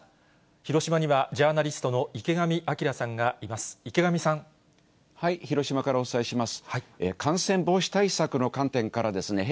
広島にはジャーナリストの池上彰さんがいます。